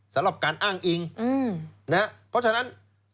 สำหรับการอ้างอิงนะฮะเพราะฉะนั้น